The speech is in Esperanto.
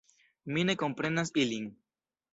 Mi ne komprenas ilin.